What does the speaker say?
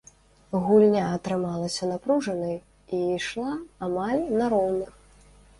Гульня атрымалася напружанай і ішла амаль на роўных.